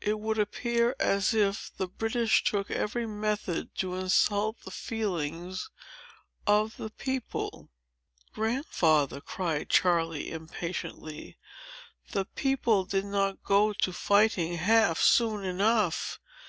It would appear as if the British took every method to insult the feelings of the people. "Grandfather," cried Charley, impatiently, "the people did not go to fighting half soon enough!